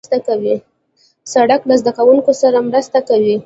سړک له زدهکوونکو سره مرسته کوي.